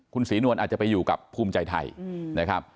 คุณศรีนวลอาจจะไปอยู่กับภูมิใจไทยนะครับ